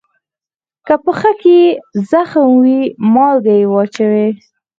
که پښه کې زخم وي، مالګه یې وچوي.